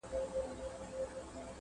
زما دي قسم په ذواجلال وي!!